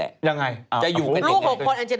ลูกหกจะอยู่ไหน